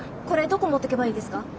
これどこ持っていけばいいですか？